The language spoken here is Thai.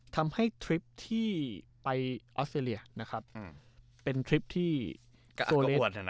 ทำให้ทริปที่ไปออสเตรเลียนะครับอืมเป็นทริปที่โซเลส